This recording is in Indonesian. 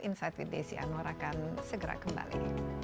insight with desi anwar akan segera kembali